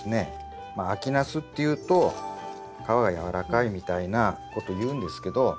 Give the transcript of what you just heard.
秋ナスっていうと皮がやわらかいみたいなこというんですけど。